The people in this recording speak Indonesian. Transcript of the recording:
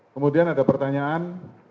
kemudian ada pertanyaan